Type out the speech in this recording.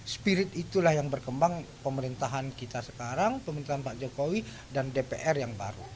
spirit itulah yang berkembang pemerintahan kita sekarang pemerintahan pak jokowi dan dpr yang baru